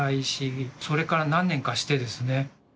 それから何年かしてですね